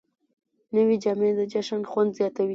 نوې جامې د جشن خوند زیاتوي